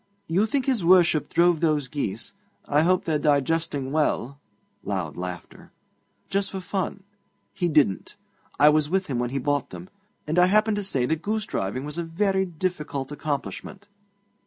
You think his Worship drove those geese I hope they're digesting well (loud laughter) just for fun. He didn't. I was with him when he bought them, and I happened to say that goosedriving was a very difficult accomplishment.'